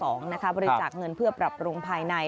สอนป่าวสองบริจาคเงินเพื่อปรับรุงภายใน